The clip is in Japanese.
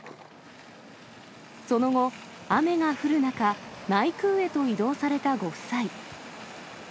その後、雨が降る中、内宮へと移動されたご夫妻。